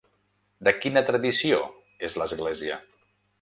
De quina tradició és l'església?